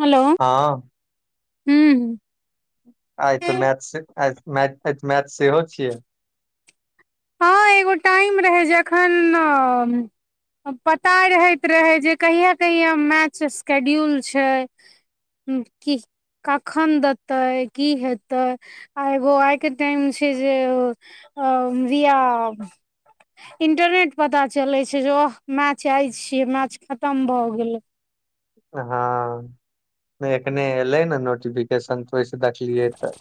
Hello हँ ह्म आय त मैच मैच सेहो छियै हँ एगो टाइम रहै जखन पता रहैत रहै जे कहिया कहिया मैच स्केड्यूल छै हूँ कखन देतै की हेतै आ एगो आइके टाइम छै जे अ रिया इंटरनेट पता चलै छै जे ओह मैच आय छियै मैच खतम भऽ गेल हँ एखने एलै ने नोटिफिकेशन ओहिस देखलियै तऽ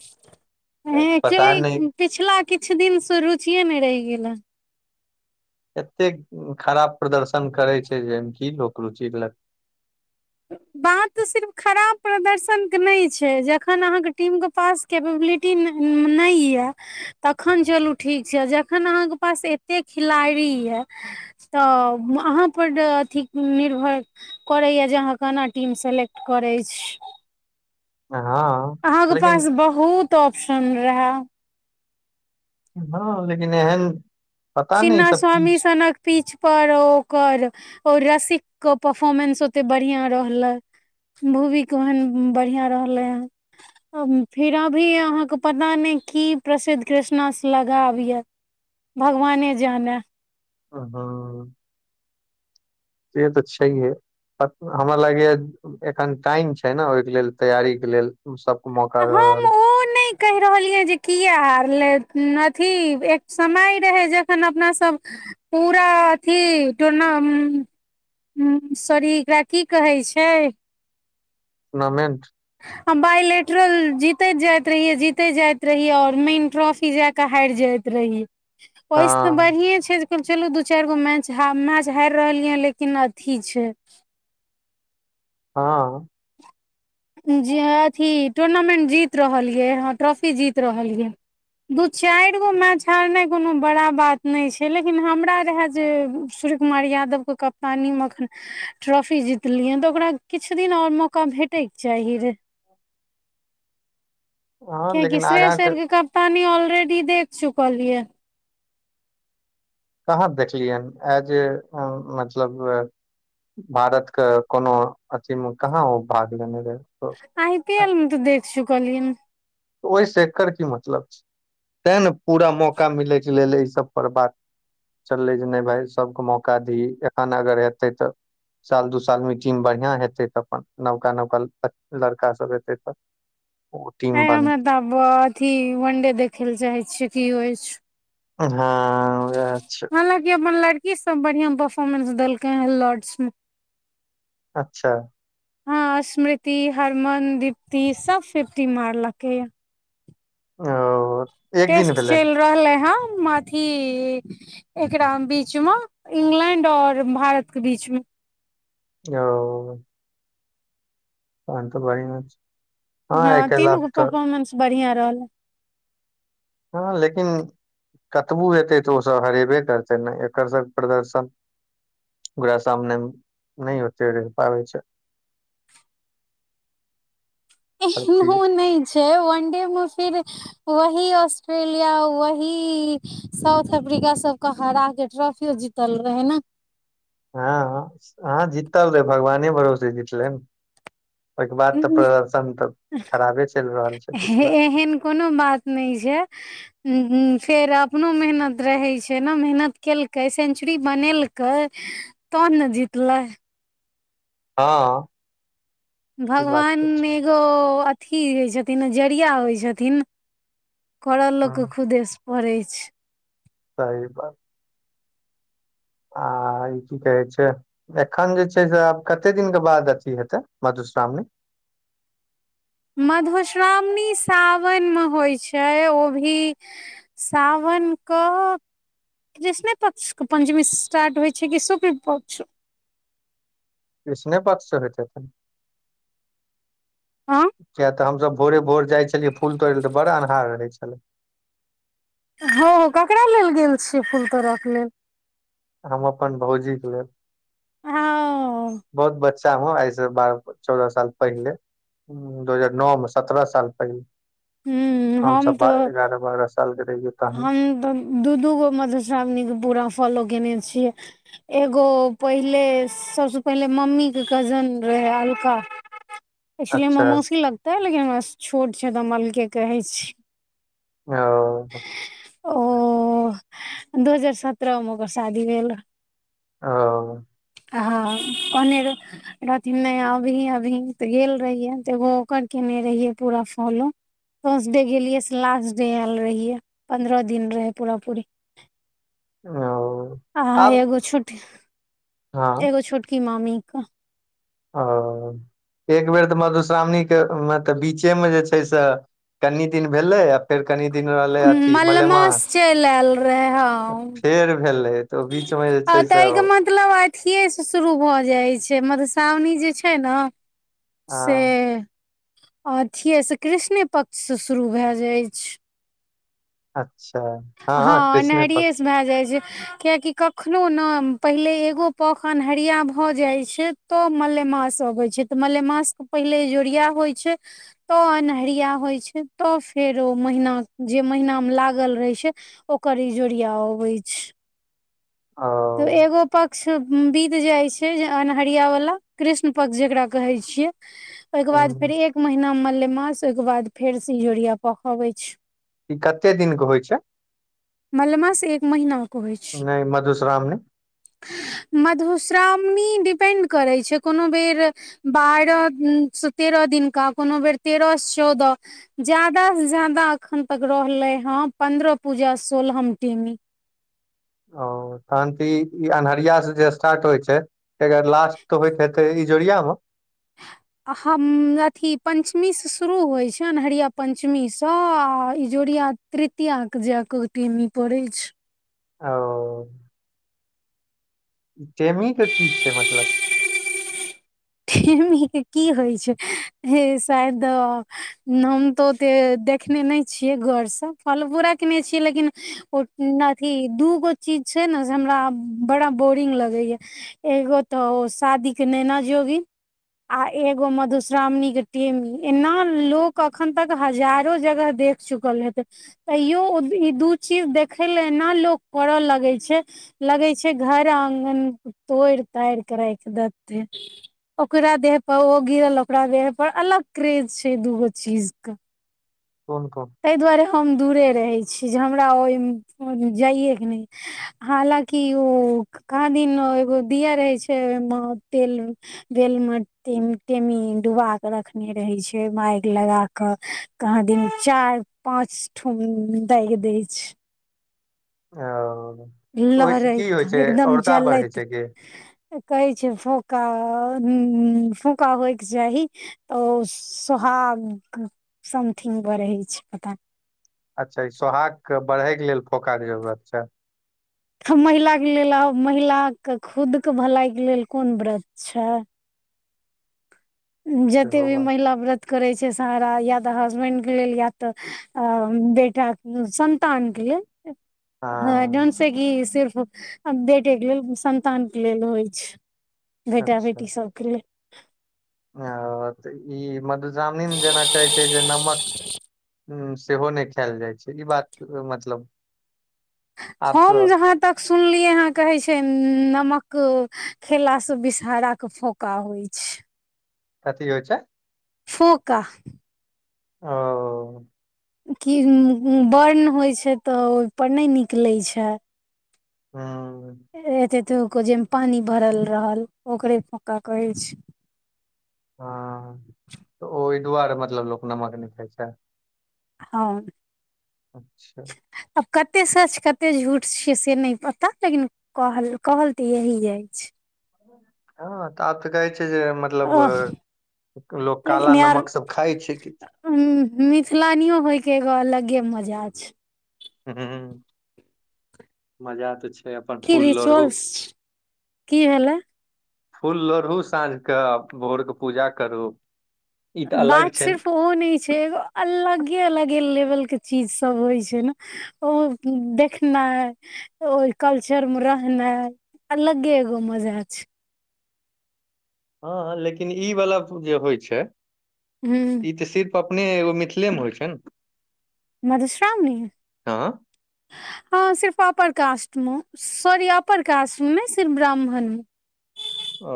पता नहि पिछिला किछु दिनसँ रुचिे नहि रहि गेल हन एते खराब प्रदर्शन करे छै जाहिमे कि लोक रुचि लैत बात तऽ सिर्फ खराब प्रदर्शनक के नहि छै जखन अहाँके टीम के पास केपेबलिटी नहि या एखन चलू ठीक छै जखन अहाँके पास एतेक खिलाड़ी यए तऽ अहाँ पर अथी निर्भर करैय जे केना टीम सेलेक्ट करै छी हँ अहाँके पास लेकिन बहुत ऑप्शन रहए हँ लेकिन एहन पता नहि ई छिन्हहां सब की स्वामी सनक पीच पर ओकर ओ रसिक के परफोर्मेंस ओते बढ़िया रहले भूविके ओहन बढ़िया रहले हन फिर अभी अहाँके पता नहि की प्रसिद्ध कृष्णा लगाव यऽ भगवाने जाने हँ सेह त छैहे हमरा लागैया एखन टाइम छै ने ओहिके लेल तैयारीक के लेल उ सब मौका हम रह रहल ओ नहि कहि रहलियै जे किया हारलै अथी एक समय रहै जखन अपना सब पूरा अथी टूना सॉरी एकरा की कहै छै टूनामेंट आ बाइलेटरल जीतैत जाइत रहिये जीते जाइत रहिये और मेन ट्रॉफी जय के हारि जाइत रहियै ओहिस तऽ हँ बढ़िए छै चलू दू चारि गो मैच मैच हारि रहलिय लेकिन अथी छै हँ जी अथी टूर्नामेंट जीत रहल ये ह ट्रॉफी जीत रहल ये दू चारि गो मैच हारनाइ कोनो बड़ा बात नहि छै लेकिन हमरा रहय जे सूर्य कुमार यादव के कप्तानी मे अखन ट्रॉफी जीतलियनि तऽ ओकरा किछु दिन आओर मौका भेटैके चाही रहए हँ कियाकी लेकिन आगाँ श्रेष आर के कप्तानी ऑलरेडी देख चुकल ये कहाँ देखलियनि एज मतलब भारत के कोनो अथी मे कहाँ ओ भाग लेने रहे आइ पी एल मे तऽ देख छुकलिय ओहिसँ एकर की मतलब छै तैं ने पूरा मौका मिलैके लेल एहि सब पर बात चललै जे नहि भाय सभके मौका ही एखन अगर हेतै तऽ साल दू साल मे टीम बढ़िया हेतै तऽ अपन नवका नवका लड़का सब हेतै तऽ ओ टीम आइ ब तऽ आब अथी वन डे देखे ल चाहे छियै की होइ हँ वैह छै हांलाकि अपन लड़की सब बढ़ियां परफोर्मेंस देलकै ह लॉर्ड्स में अच्छा हॅं स्मृति हरमन दिप्ति सब फिफ्टी मारलक ये ओ एक दिन टेस्ट भेलै चलि रहलै हँ अथी एकरा बीच मे इंगलैंड और भारत के बीच मे ओ तहन तऽ बढ़िया छै हँ आइ काल्हि तीनू गो आब तऽ परफोर्मेंस बढ़िया रहलै हँ लेकिन कतबो हेतै तऽ ओसभ हरेबे करतै ने एकर सभ प्रदर्शन ओकरा सामने नै ओते रहि पाबै छै हर एन चीज नहि छै वनडे मे फिर वही ऑस्ट्रेलिया वही साउथ अफ्रीका सबके हरा के ट्रॉफियो जीतल रहे ने हँ अहाँ जीतल रहै भगवाने भरोसे जीतले ने ओहिके बाद ने तऽ प्रदर्शन तऽ खराबे चलि रहल छै हे- पिछला एहन कोनो बात नहि छै उ फेर अपनो मेहनत रहे छै ने मेहनत केलकै सेंचुरी बनेलकै कै तऽ ने जितलै हँ ई बात तऽ भगवान छै एगो अथि होइ छथिन जरिया होइ छथिन करऽ लोकके हँ, खुदेस पड़ै छै सही बात आ ई की कहै छै एखन जे छै से आब कते दिनके बाद अथी हेतै मधुश्रावणी मधुश्रावणी सावनमे होइ छै ओ भी सावन कऽ कृष्णे पक्षके पञ्चमी स्टार्ट होइ छै कि शुक्ल पक्षसे कृष्णे पकक्ष सॅं होेइत हैते आँ किया तऽ हमसभ भोरे भोर जाइ छलियै फूल तोड़य लए तऽ बड़ा अन्हार रहै छलै हँ ककरा लेल गेल छियै फूल तोरक लेल हम अपन भौजीक लेल हँ बहुत बच्चा ह आइस बारह चौदह साल पहिले दू हजार नओ मे सत्रह साल पहिले हूँ हम सब तो एगारह बारह सालके रहिए हम तऽ दू दू गो मधुश्रावणीके पूरा फॉलो कयने छियै एगो पहिले सबसे पहिले मम्मी के कजन रहे अलका [inaudible] एक्चुअली मे हमर मौसी लगतै लेकिन हमरा से छोट छै तऽ हम अलके कहै छी ओ ओ दू हजार सत्रह मे ओकर शादी भेल ओ हॉं कहने रह रहथिन नहि अभी अभी तऽ गेल रहियै तऽ एगो ओकर केने रहियै पूरा फॉलो फर्स्ट डे गेलियै से लास्ट डे आयल रहियै पन्द्रह दिन रहै पूरा पूरी ओ आइ आब एगो छुट हँ एगो छुट कि मामी कऽ ओ एक बेर तऽ मधुश्रावणी के तऽ बीचे मे जे छै से कनी दिन भेलै आ फेर कनि दिन रहलै अथि मलमा मलेमास से चलि आयल रहे आ हँ फेर भेलै तऽ बीचमे जे आ छै से ताहि के ओ मतलब अथिएसँ शुरू भऽ जाइ छै मधुश्रावणी जे छै ने से ओ अथिये से कृष्णे पक्षसँ शुरू भए जाइत छै अच्छा हँ कृष्ण पक्ष भए जाइ छै कियाकि कखनो ने पहिले एगो पख अन्हरिया भऽ जाइत छै तब मलेमास अबै छै तऽ मलेमास के पहिले इजोरिया होइ छै तऽ अन्हरिया होय छै तऽ फेर ओ महीना जे महिना मे लागल रहे छै ओकर इजोरिया अबैत छै ओ एगो पख सब बीत जाय छै अन्हरिया वाला कृष्ण पक्ष जेकरा कहे छियै ओहिके बाद हूँ फेर एक महिना मलेमास ओहिके बाद फेर से इजोरिया पख अबैत छै ई कते दिन के होइ छै मलेमासँ एक महिनाके होइत छै नहि मधुश्रावणी मधुश्रावणी डिपेन्ड करैत छै कोनो बेर बारह तेरो दिनका कोनो बेर तेरह चौदह ज्यादा से ज्यादा अखन तक रहले हँ पन्द्रह पूजा सोलहम टेमी ओ तहन त ई ई अन्हरिया से जे स्टार्ट होइ छै एखर लास्ट होइत हायत के इजरिया मे हम अथी पञ्चमीसँ शुरू होइ छनि अनहरिया पञ्चमीसँ आ ईजोरिया तृतया के जााकऽ टेमी पड़ै छै ओ टेमी के की छै मतलब टेमीक के की होइ छै ह शायद हम तऽ ओते देखने नहि छियै गोरसँ फलबो रखने छियै लेकिन ओ अथी दूगो चीज छै ने से हमरा बड़ा बोरिंग लगैया एगो तो ओ शादी के नेैना जोगिन आ एगो मधुश्रावणी के टेमी एना लोक अखन तक हजारो जगह देख चुकल हेतै तैयो ई दू चीज देखे ल एना लोक करऽ लगै छै लगै छै घर आङगन तोड़ि ताड़ि कऽ राखि देते ओकरा देह पर ओ गिरल ओकरा देह पर अलग क्रेज छै दूगो चीज के कोन कोन ताहि दुआरे हम दूरे रहै छी जे हमरा ओहिमे जाइएके नहि हालकि ओ कहा दिन एगो दिया रहे छै ओहिमे तेल तेल मेे टेमी डुबा के रखने रहे छै मारि लगा क कहाँ दिन चार पाँच ठुम दागि दै छै ओ ओहिसँ की लहड़ैत होइ छै एकदम औरदा बढ़ै जलैत छै कि कहै छै फोका फोका होइके चाही ओ तऽ सोहाग समथिंग बढ़ै छै पता अच्छा ई सोहााग के बढ़े के लेल फोका के जरूरत छै त महिलाक के लेल आ महिला के खुद के भलाई के लेल कोन व्रत छै जते सेहो भी बात महिला व्रत करै छै सारा या तऽ हसबेंड के लेल या तऽ अ बेटाक संन्तानके लेल हँ जोनस गी सिर्फ आ बेटे के लेल संन्तान के लेल होइ छै बेटा बेटी सबके लेल आ तऽ ई मधुश्रवनि में जेना कहैत छै जे नमक उ सेहो नहि खायल जाइ छै ई बात मतलब आब हम तऽ जहाँ तक सुनलियै अहाँ कहे छै नमक खेला से बिषहरा के फोका होइ छै कथी होइ छै फोका ओ कि बर्न होइ छै तऽ ओहिपर नहि निकलैत छै हूं एते एते जेहिमे पानी भरल रहल ओकरे फोका कहै छै हँ तऽ ओहि दुआरे मतलब लोक नमक नहि खाइ छै हँ अच्छा आब कतेक सच कतेक झूठ छियै से नहि पता लेकिन कहल कहल तऽ यही जाय छै हँ तऽ आब तऽ कहै छै जे मतलब ओह लोक काला लेकिन यार नमक सब खाइ छै कि मिथिलानियो होइके एगो अलगे मजा छै हुँ मजा तऽ छै अपन की फूल लोढ़ू रिचोरस कि भेले फूल लोढ़ू साँझ के भोर के पूजा करू ई तऽ अलग बात छै ने। सिर्फ ओ नहि छै एगो अलगे अलगे लेवलके चीजसभ होइ छै ने ओ देखनाय ओहि कल्चरमे रहनाइ अलगहि एकटा मजा छै। हँ मुदा ई वाला जे होइ छै। हूं ई तँ सिर्फ अपन मिथिलामे होइ छै ने। मधुश्रावणी। हँ हँ सिर्फ अपर कास्टमे नहि, सॉरी, सिर्फ ब्राह्मणमे। ओ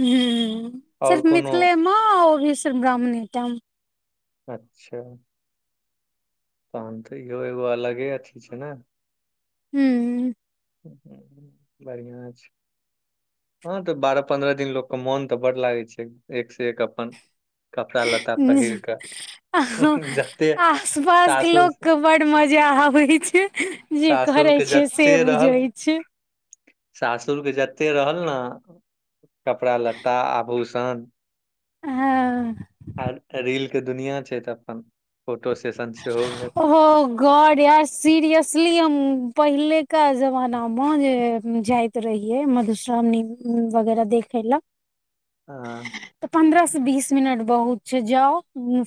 हँ, आओर सिर्फ कोनो मिथिलामे ओहो। सिर्फ़ ब्राह्मणतमे। अच्छा तहन तऽ इहो एगो अलगे अथी छै। ने हूँ बढ़िआ छै। हँ, तँ बारह पन्द्रह दिन लोकक मोन तँ बड्ड लागै छै, एक सँ एक अपन। कपड़ा लत्ता पहिर कऽ जते आस पास के सासुर लोक के बड्ड मजा अबै छै, जे सासुर करै छी से बुझै छै। सासुरके जते रहल ने। कपड़ा लत्ता आभूषण। हँ आ रीलके दुनिआँ छै। तऽ अपन फोटो सेशन सेहो भेल। अहा गॉड यार, सीरियसली हम पहिलुका जमाना मे चलि जाइतहुँ। रहियै, मधुश्रावणी वगैरह देखे लए। हँ तऽ पन्द्रह से बीस मिनट बहुत। जाउ,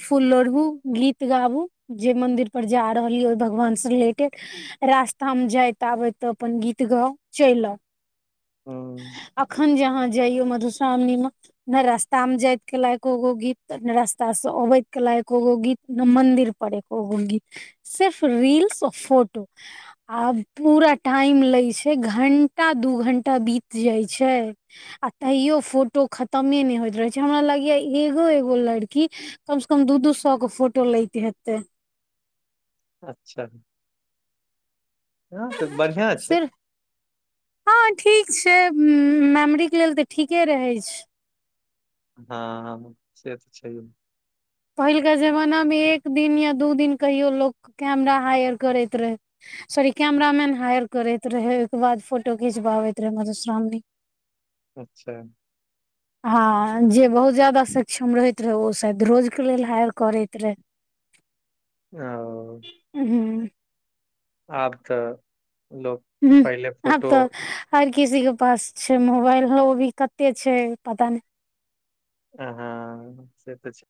फूल लोढ़ू, गीत गाबू। जे मन्दिर जा रहल छी, ओहि भगवानसँ संबंधित गीत गाबू। रास्तामे जाइत आबैत अपन गीत गाबैत रहिहऽ आ चलि आब। हूँ अखन जे अहाँ मधुश्रावणीमे जाइयौ नहि रास्ता मे जाइत के लायको गो गीत ने रास्ता से अबैत के लायक गो गीत ने मंदिर पढ़र ओ गीत तऽ सिर्फ रील्स आ फोटो आब पूरा टाइम लागि जाइत छै, घण्टा दू घण्टा बीत जाइत छै। आ तैयो फोटो खतमे नै होइत रहै छै, हमरा लगैया एगो एगो लड़की। कम सऽ कम दू-दू सए फोटो लैत हेतै। अच्छा हँ तऽ बढ़िआँ छै। सिर्फ हँ, ठीक छै। मेमरीक लेल तऽ ठीके रहै छै। हँ, से तऽ छै। पहिलका जमानामे एक दिन या दू दिनक लेल लोक कैमरा हायर करैत रहै। सॉरी, कॅमेरामैन हायर करैत रहै, ओइके बाद फोटो खिचाबैत रहै। अच्छा हँ, जे बहुत जादा सक्षम रहैत रहै, ओ शायद रोज। के लेल हायर करैत रहै। ओ हँ आब तऽ लोक। ह पहिले आब फोटो तऽ हर किसीक पास मोबाइल छै, ओहो कतेक छै, पता नै। आहँ से तऽ छै।